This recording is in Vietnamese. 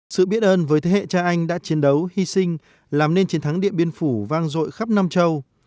sự biết ơn với thế hệ cha anh đã chiến đấu hy sinh làm nên chiến thắng điện biên phủ vang rội khắp nam châu